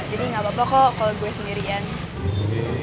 jadi gak apa apa kok kalau gue sendirian